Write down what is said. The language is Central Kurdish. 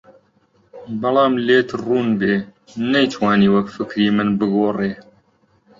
بەڵام لێت ڕوون بێ نەیتوانیوە فکری من بگۆڕێ